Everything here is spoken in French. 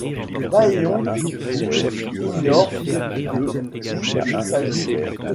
Byeong-su ignore de qui il s'agit.